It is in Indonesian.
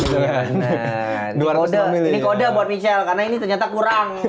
ini kode buat michelle karena ini ternyata kurang